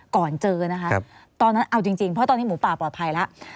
ก่อนเจอนะคะตอนนั้นเอาจริงเพราะตอนนี้หมูป่าปลอดภัยแล้ว